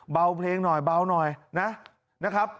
เบาเพลงหน่อยเบาหน่อยนะครับ